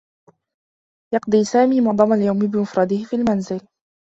يقضي سامي معظم اليوم بمفرده في المنزل.